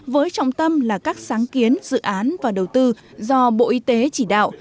với trọng tâm là các sáng kiến dự án và đầu tư do bộ y tế chỉ đạo